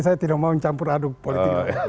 saya tidak mau mencampur aduk politik